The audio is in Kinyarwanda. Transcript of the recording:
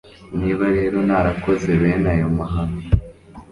niba rero narakoze bene ayo mahano